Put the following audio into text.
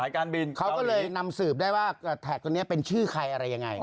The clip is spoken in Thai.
เขาก็เลยนำสืบได้ว่าแท็กตัวนี้เป็นชื่อใครอย่างไร